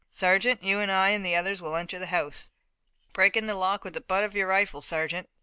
Sergeant, you and I and the others will enter the house. Break in the lock with the butt of your rifle, sergeant!